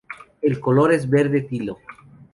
El color es verde tilo.